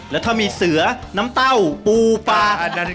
แล้วถ้ามีเสือน้ำเต้าปูปลา